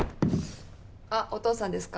あっお父さんですか？